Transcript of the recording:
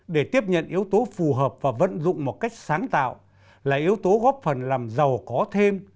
để tiếp nhận yếu tố phù hợp và vận dụng một cách sáng tạo là yếu tố góp phần làm giàu có thêm